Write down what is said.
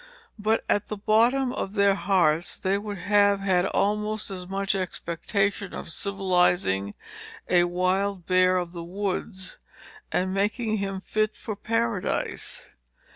But, at the bottom of their hearts, they would have had almost as much expectation of civilizing a wild bear of the woods, and making him fit for paradise.